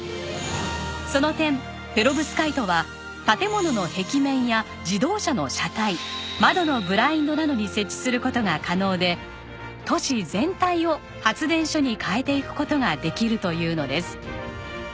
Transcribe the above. その点ペロブスカイトは建物の壁面や自動車の車体窓のブラインドなどに設置する事が可能で都市全体を発電所に変えていく事ができるというのです。